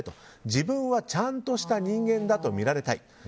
自分はちゃんとした人間だと見られたい。